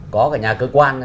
có cả nhà cơ quan